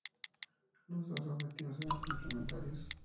Los dos objetivos eran complementarios.